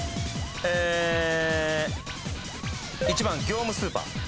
１番業務スーパー。